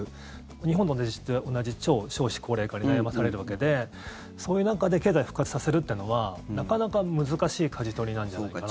日本と同じ超少子高齢化に悩まされるわけでそういう中で経済を復活させるのはなかなか難しいかじ取りなんじゃないかなと。